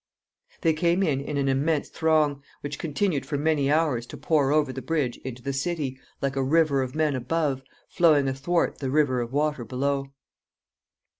They came in in an immense throng, which continued for many hours to pour over the bridge into the city, like a river of men above, flowing athwart the river of water below.